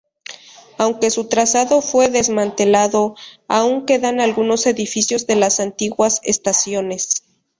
Aunque su trazado fue desmantelado, aún quedan algunos edificios de las antiguas estaciones.